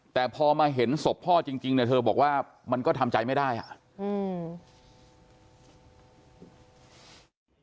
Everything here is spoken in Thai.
แต่พอมาเห็นศพพ่อจริงจริงเนี่ยเธอบอกว่ามันก็ทำใจไม่ได้อ่ะอืม